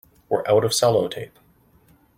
We're out of sellotape.